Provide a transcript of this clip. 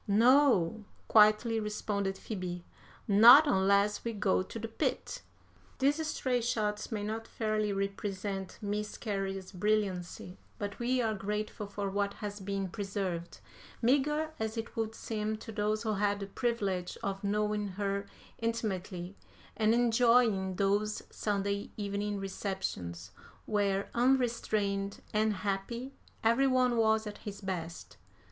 "'No,' quietly responded Phoebe, 'not unless we go to the pit.'" These stray shots may not fairly represent Miss Cary's brilliancy, but we are grateful for what has been preserved, meagre as it would seem to those who had the privilege of knowing her intimately and enjoying those Sunday evening receptions, where, unrestrained and happy, every one was at his best.